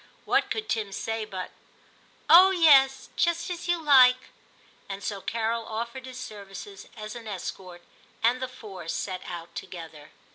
What could Tim say but, ' Oh yes, just as you like '} And so Carol offered his services as an escort, and the four set out together.